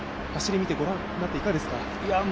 走り御覧になっていかがですか？